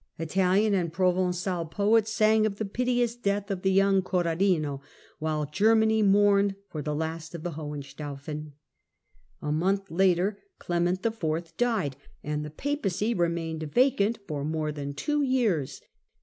Italian and Provencal poets sang of the piteous death of the young " Corradino," while Germany mourned for the last of the Hohenstaufen. A month later Clement IV. died, and the Papacy remained vacant for more than two years.